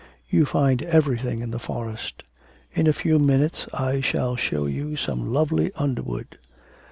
You find everything in the forest. In a few minutes I shall show you some lovely underwood.'